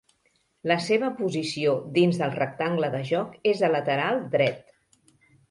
La seva posició dins del rectangle de joc és de lateral dret.